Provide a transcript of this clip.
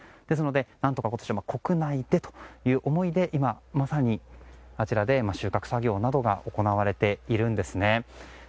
ですので、何とか今年は国内でという思いで今まさに、あちらで収穫作業が行われているんです。